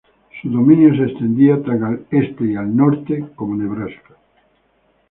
Su dominio se extendía tan al este y al norte como Nebraska.